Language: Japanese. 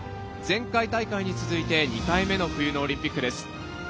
前回大会に続いて２回目の冬のオリンピックです。